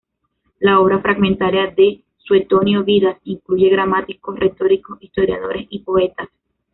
La obra fragmentaria de Suetonio, "Vidas", incluye gramáticos, retóricos, historiadores y poetas.